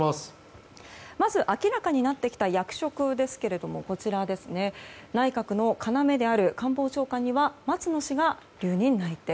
まず、明らかになってきた役職ですが内閣の要である官房長官には松野氏が留任・内定。